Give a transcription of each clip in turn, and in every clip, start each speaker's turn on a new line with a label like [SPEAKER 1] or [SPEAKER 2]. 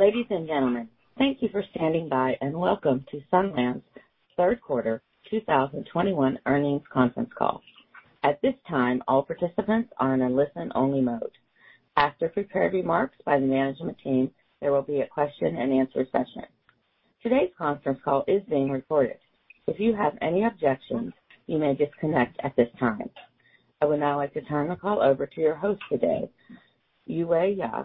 [SPEAKER 1] Ladies and gentlemen, thank you for standing by and welcome to Sunlands third quarter 2021 earnings conference call. At this time, all participants are in a listen-only mode. After prepared remarks by the management team, there will be a Q&A session. Today's conference call is being recorded. If you have any objections, you may disconnect at this time. I would now like to turn the call over to your host today, Yuhua Ye,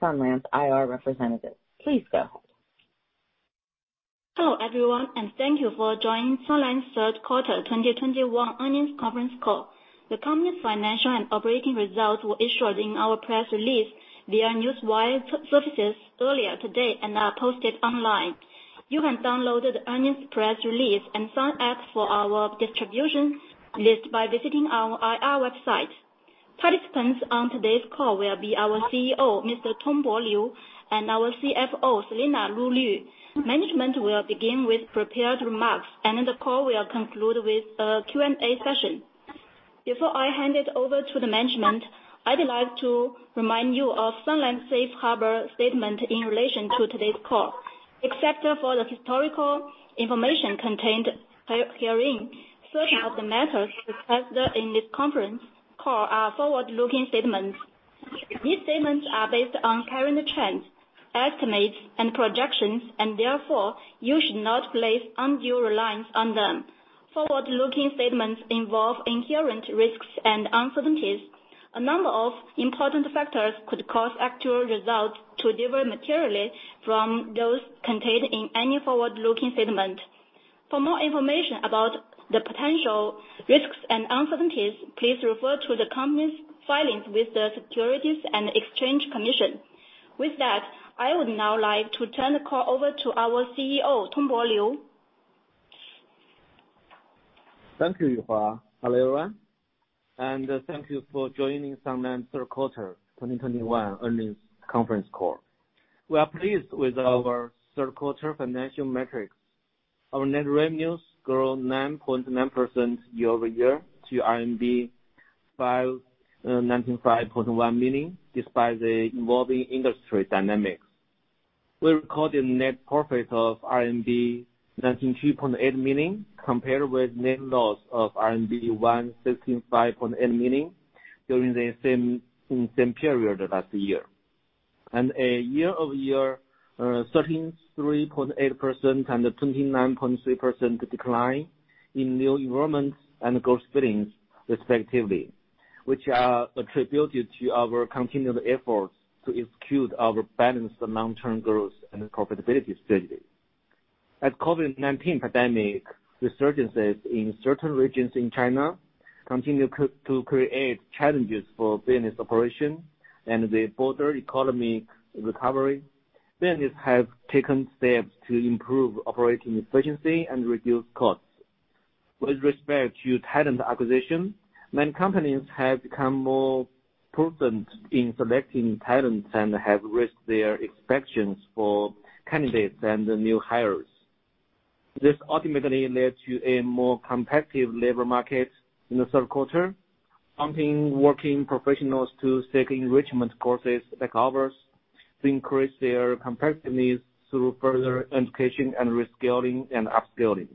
[SPEAKER 1] Sunlands IR representative. Please go ahead.
[SPEAKER 2] Hello, everyone, and thank you for joining Sunlands' third quarter 2021 earnings conference call. The company's financial and operating results were issued in our press release via Newswire services earlier today and are posted online. You can download the earnings press release and sign up for our distribution list by visiting our IR website. Participants on today's call will be our CEO, Mr. Tongbo Liu, and our CFO, Selena Lu Lv. Management will begin with prepared remarks and then the call will conclude with a Q&A session. Before I hand it over to the management, I'd like to remind you of Sunlands' safe harbor statement in relation to today's call. Except for the historical information contained herein, certain of the matters discussed in this conference call are forward-looking statements. These statements are based on current trends, estimates and projections, and therefore you should not place undue reliance on them. Forward-looking statements involve inherent risks and uncertainties. A number of important factors could cause actual results to differ materially from those contained in any forward-looking statement. For more information about the potential risks and uncertainties, please refer to the company's filings with the Securities and Exchange Commission. With that, I would now like to turn the call over to our CEO, Tongbo Liu.
[SPEAKER 3] Thank you, Yuhua. Hello, everyone, and thank you for joining Sunlands third quarter 2021 earnings conference call. We are pleased with our third quarter financial metrics. Our net revenues grew 9.9% year-over-year to RMB 595.1 million, despite the evolving industry dynamics. We recorded net profit of RMB 93.8 million, compared with net loss of RMB 165.8 million during the same period last year. A year-over-year 13.3% and a 29.3% decline in new enrollments and gross billings, respectively, which are attributed to our continued efforts to execute our balanced long-term growth and profitability strategy. As COVID-19 pandemic resurgences in certain regions in China continue to create challenges for business operation and the broader economy recovery, businesses have taken steps to improve operating efficiency and reduce costs. With respect to talent acquisition, many companies have become more prudent in selecting talent and have raised their expectations for candidates and the new hires. This ultimately led to a more competitive labor market in the third quarter, prompting working professionals to seek enrichment courses like ours to increase their competitiveness through further education and reskilling and upskilling.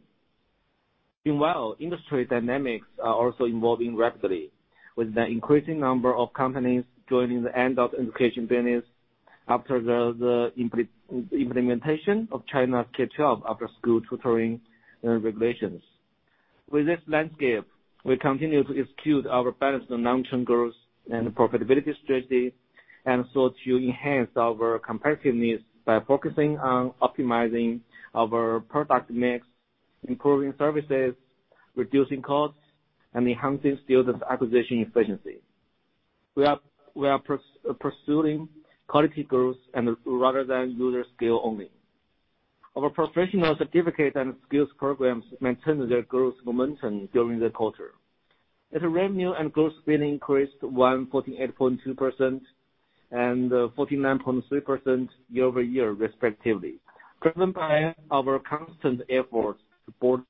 [SPEAKER 3] Meanwhile, industry dynamics are also evolving rapidly, with the increasing number of companies joining the adult education business after the implementation of China's K-12 after-school tutoring regulations. With this landscape, we continue to execute our balanced long-term growth and profitability strategy, and so to enhance our competitiveness by focusing on optimizing our product mix, improving services, reducing costs, and enhancing student acquisition efficiency. We are pursuing quality growth rather than user scale only. Our professional certificate and skills programs maintained their growth momentum during the quarter. Its revenue and gross billing increased 148.2% and 49.3% year-over-year, respectively, driven by our constant efforts to broaden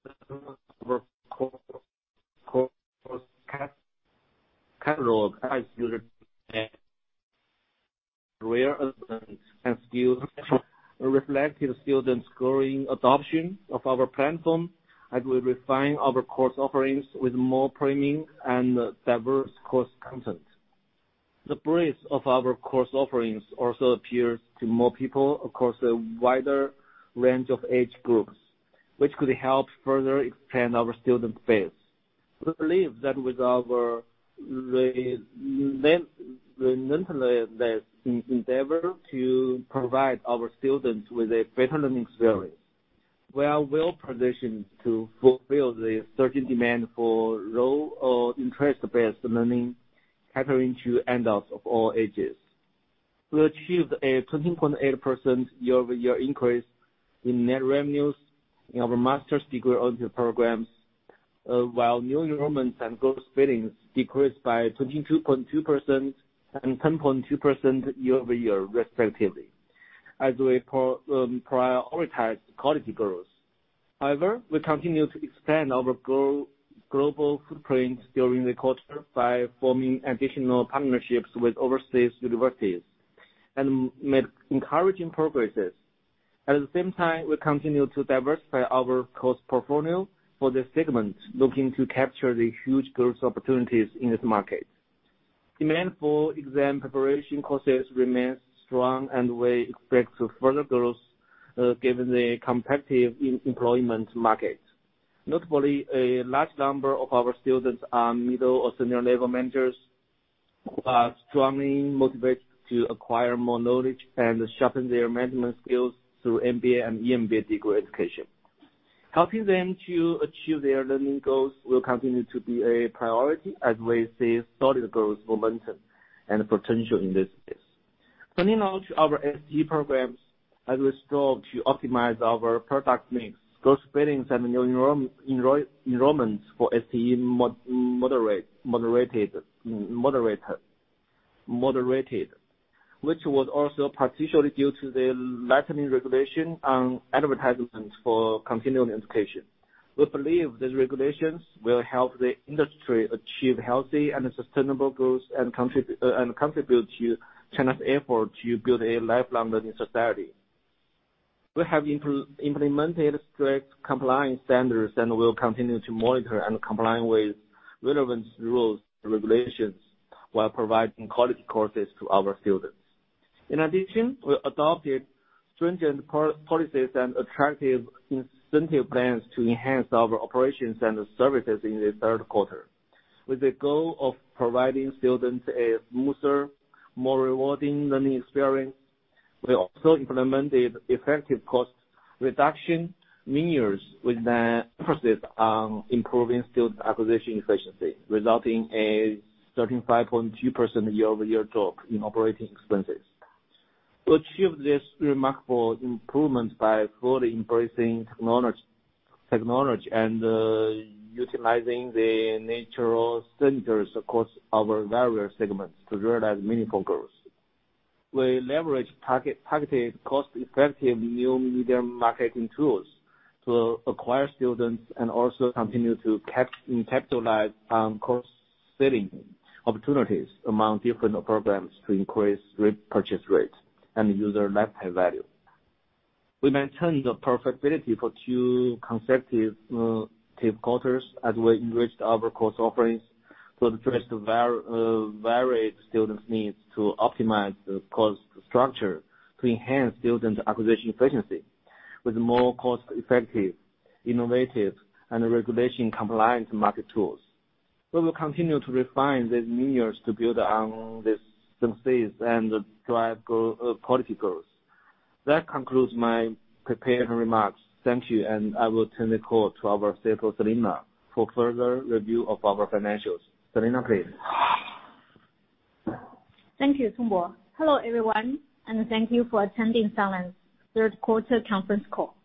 [SPEAKER 3] our course catalog addressing user demand and skills, reflecting students' growing adoption of our platform as we refine our course offerings with more premium and diverse course content. The breadth of our course offerings also appeals to more people across a wider range of age groups, which could help further expand our student base. We believe that with our relentless endeavor to provide our students with a better learning experience, we are well positioned to fulfill the urgent demand for low or interest-based learning catering to adults of all ages. We achieved a 20.8% year-over-year increase in net revenues in our master's degree programs, while new enrollments and gross billings decreased by 22.2% and 10.2% year-over-year, respectively, as we prioritized quality growth. However, we continue to expand our global footprint during the quarter by forming additional partnerships with overseas universities and made encouraging progress. At the same time, we continue to diversify our course portfolio for the segment, looking to capture the huge growth opportunities in this market. Demand for exam preparation courses remains strong, and we expect further growth, given the competitive employment market. Notably, a large number of our students are middle or senior-level managers who are strongly motivated to acquire more knowledge and sharpen their management skills through MBA and EMBA degree education. Helping them to achieve their learning goals will continue to be a priority as we see solid growth momentum and potential in this space. Turning now to our STE programs, as we strive to optimize our product mix, gross billings and enrollments for STE moderated, which was also partially due to the tightening regulation on advertisements for continuing education. We believe these regulations will help the industry achieve healthy and sustainable growth and contribute to China's effort to build a life-long learning society. We have implemented strict compliance standards and will continue to monitor and comply with relevant rules and regulations while providing quality courses to our students. In addition, we adopted stringent core policies and attractive incentive plans to enhance our operations and services in the third quarter. With the goal of providing students a smoother, more rewarding learning experience, we also implemented effective cost reduction measures with an emphasis on improving student acquisition efficiency, resulting in a 35.2% year-over-year drop in operating expenses. We achieved this remarkable improvement by fully embracing technology and utilizing the national centers across our various segments to realize meaningful growth. We leveraged targeted cost-effective new media marketing tools to acquire students and also continue to capitalize on cross-selling opportunities among different programs to increase repurchase rate and user lifetime value. We maintained the profitability for two consecutive quarters as we enriched our course offerings to address varied students' needs to optimize the cost structure to enhance students' acquisition efficiency with more cost-effective, innovative, and regulation-compliant market tools. We will continue to refine these measures to build on these successes and drive policy goals. That concludes my prepared remarks. Thank you, and I will turn the call to our CFO, Selena, for further review of our financials. Selena, please.
[SPEAKER 4] Thank you, Tongbo. Hello, everyone, and thank you for attending Sunlands third quarter conference call.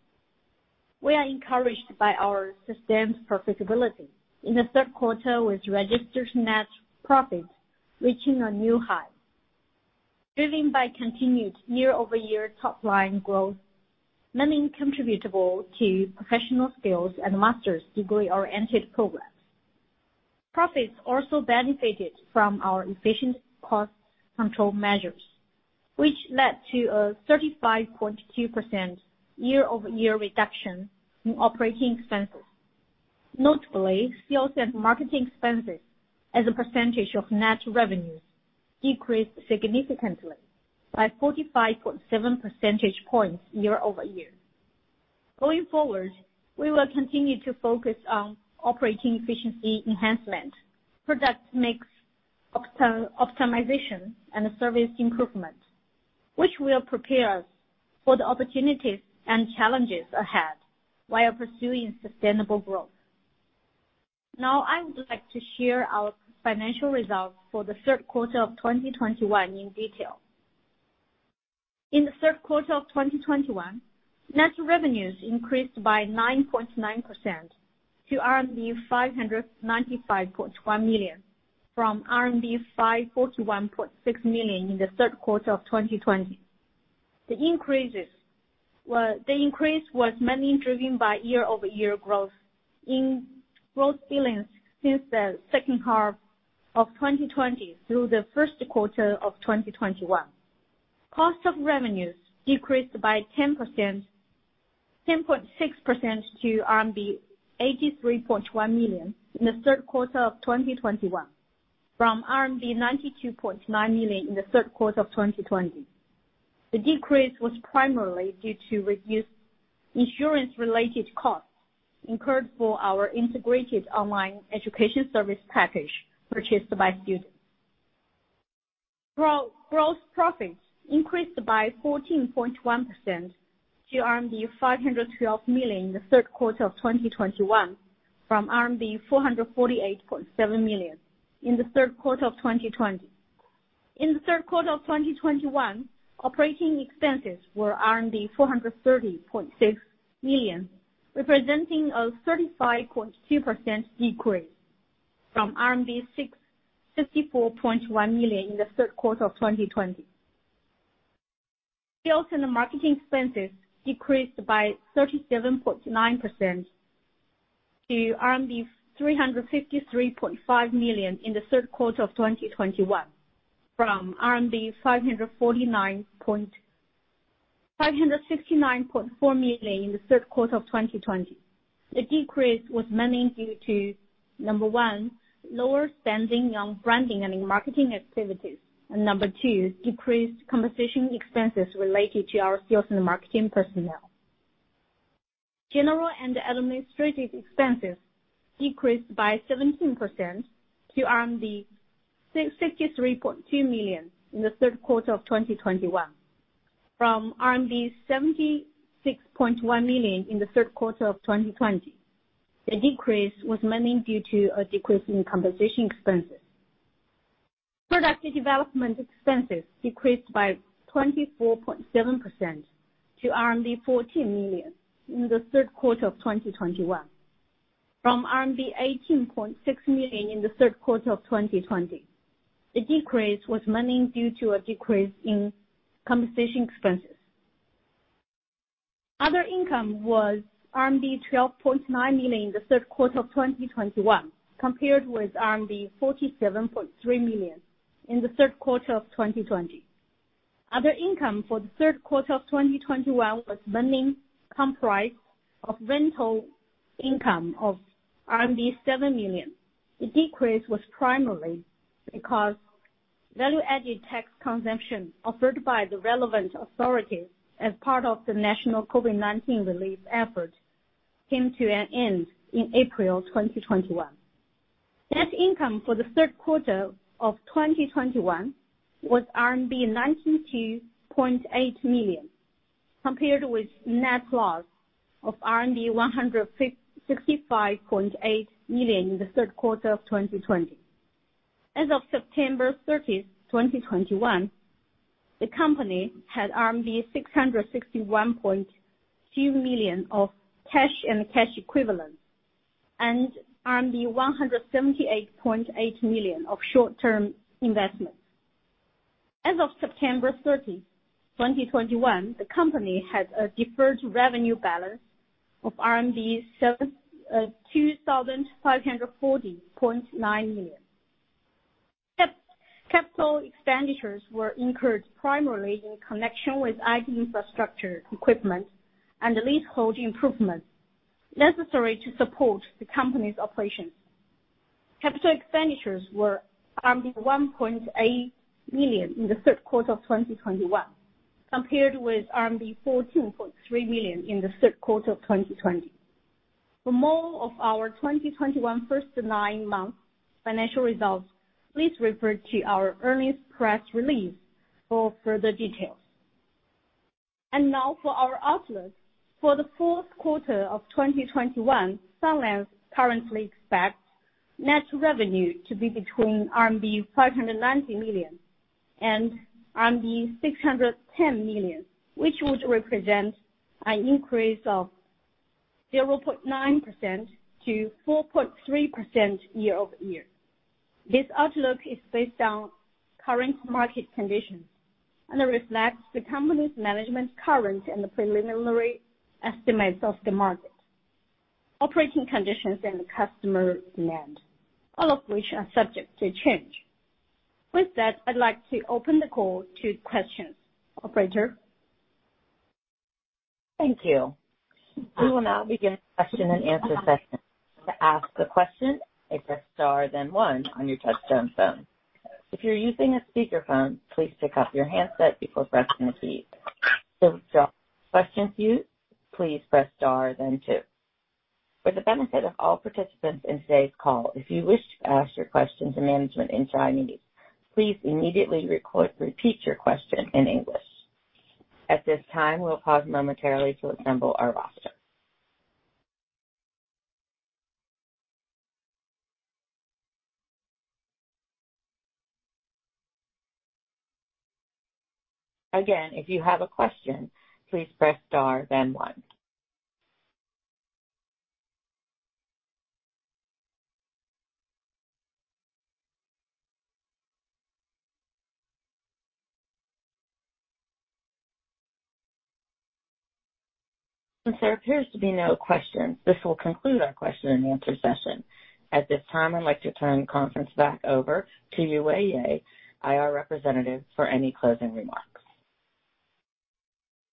[SPEAKER 4] We are encouraged by our sustained profitability in the third quarter, with registered net profit reaching a new high, driven by continued year-over-year top line growth, mainly attributable to professional skills and master's degree-oriented programs. Profits also benefited from our efficient cost control measures, which led to a 35.2% year-over-year reduction in operating expenses. Notably, sales and marketing expenses as a percentage of net revenues decreased significantly by 45.7 percentage points year-over-year. Going forward, we will continue to focus on operating efficiency enhancement, product mix optimization, and service improvement, which will prepare us for the opportunities and challenges ahead while pursuing sustainable growth. Now, I would like to share our financial results for the third quarter of 2021 in detail. In the third quarter of 2021, net revenues increased by 9.9% to RMB 595.1 million, from RMB 541.6 million in the third quarter of 2020. The increase was mainly driven by year-over-year growth in gross billings since the second half of 2020 through the first quarter of 2021. Cost of revenues decreased by 10.6% to RMB 83.1 million in the third quarter of 2021, from RMB 92.9 million in the third quarter of 2020. The decrease was primarily due to reduced insurance-related costs incurred for our integrated online education service package purchased by students. Gross profits increased by 14.1% to RMB 512 million in the third quarter of 2021, from RMB 448.7 million in the third quarter of 2020. In the third quarter of 2021, operating expenses were 430.6 million, representing a 35.2% decrease from 654.1 million in the third quarter of 2020. Sales and marketing expenses decreased by 37.9% to RMB 353.5 million in the third quarter of 2021 from 569.4 million in the third quarter of 2020. The decrease was mainly due to, number one, lower spending on branding and marketing activities. Number two, decreased compensation expenses related to our sales and marketing personnel. General and administrative expenses decreased by 17% to 663.2 million in the third quarter of 2021 from 76.1 million in the third quarter of 2020. The decrease was mainly due to a decrease in compensation expenses. Product development expenses decreased by 24.7% to RMB 14 million in the third quarter of 2021 from RMB 18.6 million in the third quarter of 2020. The decrease was mainly due to a decrease in compensation expenses. Other income was RMB 12.9 million in the third quarter of 2021, compared with RMB 47.3 million in the third quarter of 2020. Other income for the third quarter of 2021 was mainly comprised of rental income of RMB 7 million. The decrease was primarily because value-added tax concession offered by the relevant authorities as part of the national COVID-19 relief effort came to an end in April 2021. Net income for the third quarter of 2021 was RMB 92.8 million, compared with net loss of RMB 165.8 million in the third quarter of 2020. As of September 30, 2021, the company had RMB 661.2 million of cash and cash equivalents and RMB 178.8 million of short-term investments. As of September 30, 2021, the company has a deferred revenue balance of RMB 7,254.9 million. Capital expenditures were incurred primarily in connection with IT infrastructure equipment and leasehold improvements necessary to support the company's operations. Capital expenditures were 1.8 million in the third quarter of 2021, compared with 14.3 million in the third quarter of 2020. For more of our 2021 first nine months financial results, please refer to our earnings press release for further details. Now for our outlook. For the fourth quarter of 2021, Sunlands currently expects net revenue to be between RMB 590 million and RMB 610 million, which would represent an increase of 0.9% to 4.3% year-over-year. This outlook is based on current market conditions and reflects the company's management's current and preliminary estimates of the market, operating conditions, and customer demand, all of which are subject to change. With that, I'd like to open the call to questions. Operator?
[SPEAKER 1] Thank you. We will now begin the Q&A session. To ask a question, press star then one on your touchtone phone. If you're using a speakerphone, please pick up your handset before pressing the key. To withdraw your question from the queue, please press star then two. For the benefit of all participants in today's call, if you wish to ask your questions to management in Chinese, please immediately repeat your question in English. At this time, we'll pause momentarily to assemble our roster. Again, if you have a question, please press star then one. Since there appears to be no questions, this will conclude our Q&A session. At this time, I'd like to turn the conference back over to Yuhua Ye, IR Representative, for any closing remarks.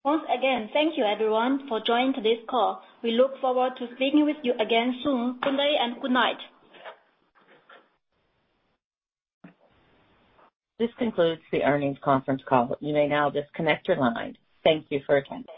[SPEAKER 2] Once again, thank you everyone for joining today's call. We look forward to speaking with you again soon. Good day and good night.
[SPEAKER 1] This concludes the earnings conference call. You may now disconnect your line. Thank you for attending.